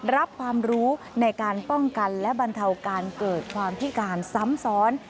รับความรู้ในการป้องกันและบรรเทาการเกิดความพิการซ้ำซ้อน